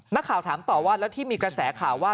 นักข่าวถามต่อว่าแล้วที่มีกระแสข่าวว่า